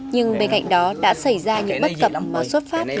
nhưng bên cạnh đó đã xảy ra những bất cập mà xuất phát